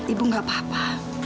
ibu gak apa apa